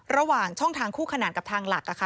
ระหว่างช่องทางคู่ขนาดกับทางหลัก